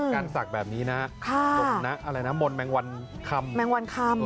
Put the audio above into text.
การศักดิ์แบบนี้นะมนต์แมงวันคำ